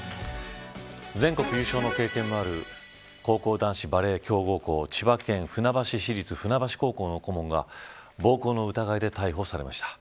全国優勝の経験もある高校男子バレー強豪校千葉県船橋市立船橋高校の顧問が暴行の疑いで逮捕されました。